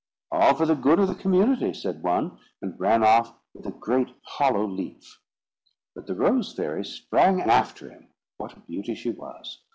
"All for the good of the community!" said one, and ran off with a great hollow leaf. But the rose fairy sprang after him (what a beauty she was!